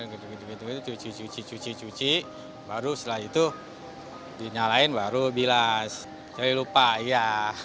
gitu gitu cuci cuci cuci cuci baru setelah itu dinyalain baru bilas saya lupa iya